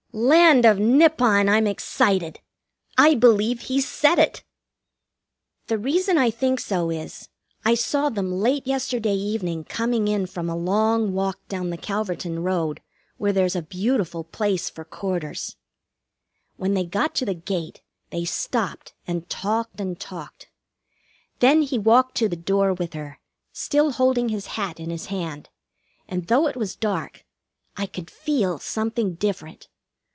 Land of Nippon, I'm excited! I believe he's said it! The reason I think so is, I saw them late yesterday evening coming in from a long walk down the Calverton road, where there's a beautiful place for courters. When they got to the gate they stopped and talked and talked. Then he walked to the door with her, still holding his hat in his hand, and though it was dark I could feel something different.